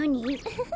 フフフ。